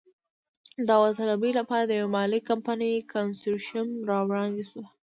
د داوطلبۍ لپاره د یوې مالي کمپنۍ کنسرشیوم را وړاندې شو.